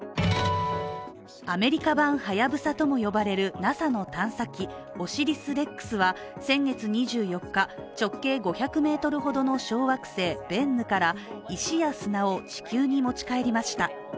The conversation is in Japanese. アメリカ版「はやぶさ」とも呼ばれるＮＡＳＡの探査機、「オシリス・レックス」は先月２４日、直径５００ｍほどの小惑星ベンヌから石や砂を地球に持ち帰りました。